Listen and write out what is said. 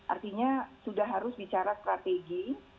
artinya sudah harus bicara strategi